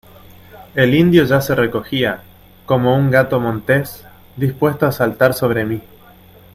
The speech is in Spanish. el indio ya se recogía, como un gato montés , dispuesto a saltar sobre mí.